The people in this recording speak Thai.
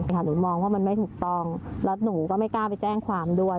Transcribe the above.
หนูมองว่ามันไม่ถูกต้องแล้วหนูก็ไม่กล้าไปแจ้งความด้วย